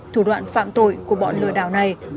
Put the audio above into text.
thủ đoạn phạm tội của bọn lừa đảo này